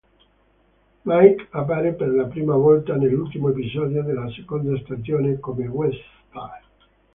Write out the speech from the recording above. Mike appare per la prima volta nell'ultimo episodio della seconda stagione, come guest star.